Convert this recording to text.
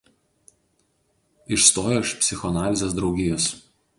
Išstojo iš psichoanalizės draugijos.